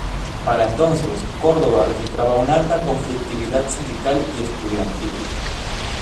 Para entonces Córdoba registraba una alta conflictividad sindical y estudiantil.